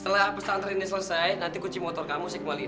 pas pesantren ini selesai nanti kunci motor kamu saya kembaliin